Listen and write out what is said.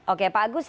oke pak agus